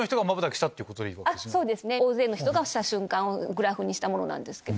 大勢の人がした瞬間をグラフにしたものなんですけど。